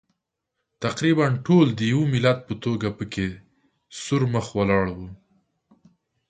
تقریباً ټول د یوه ملت په توګه پکې سور مخ ولاړ وو.